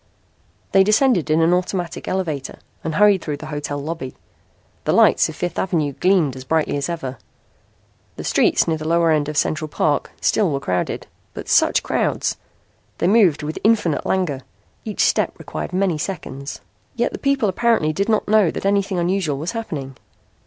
They descended in an automatic elevator and hurried through the hotel lobby. The lights of Fifth Avenue gleamed as brightly as ever. The streets near the lower end of Central Park still were crowded. But such crowds! They moved with infinite langour. Each step required many seconds. Yet the people apparently did not know that anything unusual was happening.